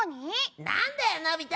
何だよ、のび太！